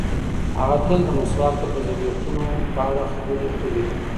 هغه تل د مسواک د فضیلتونو په اړه خبرې کوي.